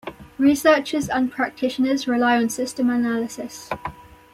Researchers and practitioners rely on system analysis.